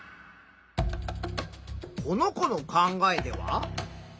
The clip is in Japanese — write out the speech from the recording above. この子の考えでは？